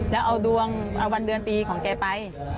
แล้วเอาดวงเอาวันเดือนปีของแกไป